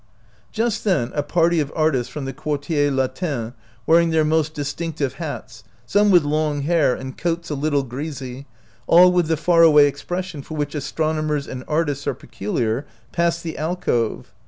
Just then a party of artists from the Quartier Latin, wearing their most distinc tive hats, some with long hair and coats a little greasy, all with the far away expression for which astronomers and artists are pecu liar, passed the alcove.